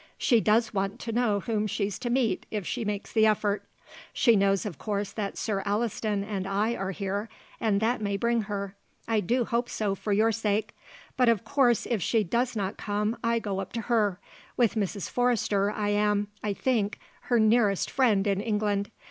She does want to know whom she's to meet if she makes the effort. She knows of course that Sir Alliston and I are here, and that may bring her; I do hope so for your sake; but of course if she does not come I go up to her. With Mrs. Forrester I am, I think, her nearest friend in England.